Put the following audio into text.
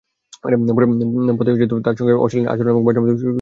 পথে তাঁর সঙ্গে অশালীন আচরণ এবং বাজে মন্তব্য করেন গাড়িটির সুপারভাইজার।